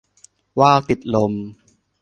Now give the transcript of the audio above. ว่าวติดลม